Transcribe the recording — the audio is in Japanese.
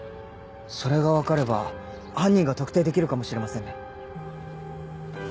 それが分かれば犯人が特定できるかもしれませんね。